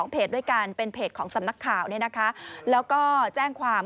๒เพจด้วยกันเป็นเพจของสำนักข่าวและแจ้งความ